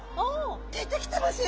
出てきてますよ！